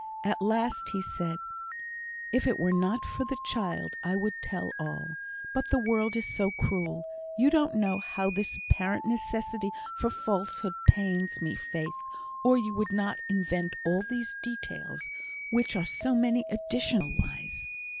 At last he said: "If it were not for the child, I would tell all; but the world is so cruel. You don't know how this apparent necessity for falsehood pains me, Faith, or you would not invent all these details, which are so many additional lies."